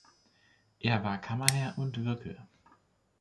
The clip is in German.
Er war Kammerherr und Wirkl.